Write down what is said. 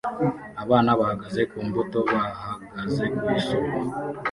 Abana bahagaze ku mbuto bahagaze ku isoko